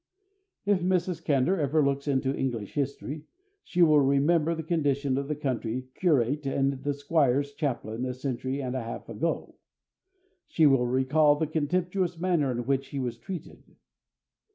If Mrs. Candour ever looks into English history she will remember the condition of the country curate and the squire's chaplain a century and a half ago. She will recall the contemptuous manner in which he was treated.